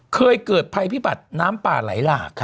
เคยเกิดภัยพิบัติน้ำป่าไหลหลาก